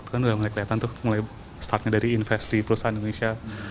itu kan sudah mulai kelihatan tuh mulai startnya dari invest di perusahaan indonesia